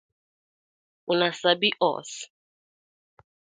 Una sabi os?